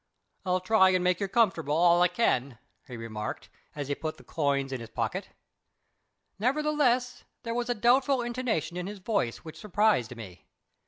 "I'll try and make yer comfortable all I can," he remarked, as he put the coins in his pocket. Nevertheless, there was a doubtful intonation in his voice which surprised me.